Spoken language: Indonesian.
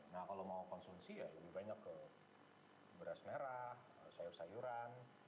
nah kalau mau konsumsi ya lebih banyak ke beras merah sayur sayuran